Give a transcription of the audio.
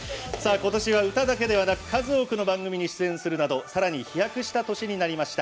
今年は歌だけでなく数多くの番組に出演するなどさらに飛躍した年になりました。